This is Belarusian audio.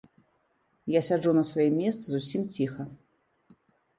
Я сяджу на сваім месцы зусім ціха.